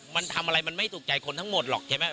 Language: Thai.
มันทำอะไรมันไม่ถูกใจคนทั้งหมดหรอกใช่ไหม